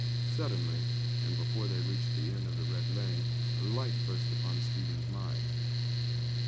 Suddenly, and before they reached the end of Red Lane, a light burst upon Stephen's mind.